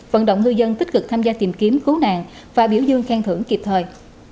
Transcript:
vận động ngư dân tích cực tham gia tìm kiếm cứu nạn và biểu dương khen thưởng kịp thời